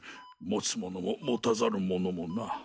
持つ者も持たざる者もな。